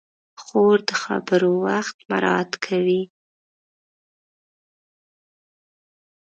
خور د خبرو وخت مراعت کوي.